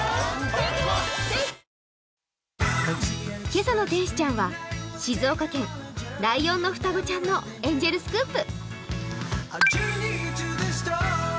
今朝の天使ちゃんは静岡県ライオンの双子ちゃんのエンジェルスクープ。